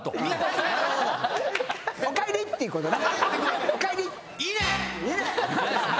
おかえり！っていうことね。